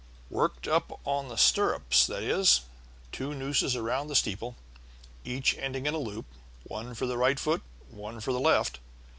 "Worked up on the stirrups that is, two nooses around the steeple, each ending in a loop, one for the right foot, one for the left.